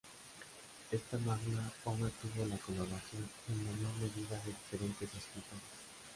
Esta magna obra tuvo la colaboración en menor medida de diferentes escritores.